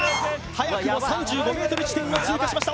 早くも３５ｍ地点を通過しました